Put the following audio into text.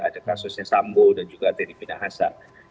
ada kasusnya sambo dan juga tni pindahasa